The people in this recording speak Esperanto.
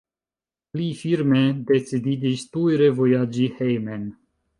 Li firme decidiĝis tuj revojaĝi hejmen.